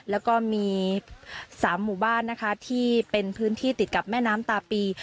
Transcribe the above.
แล้วก็มี๓หมู่บ้านนะคะที่เป็นพื้นที่ติดกับแม่น้ำตาปี